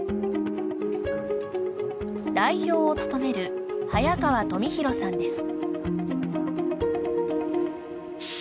代表を務める早川富博さんです。